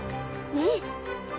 うん！